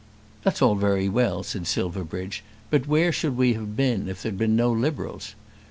"That's all very well," said Silverbridge, "but where should we have been if there had been no Liberals?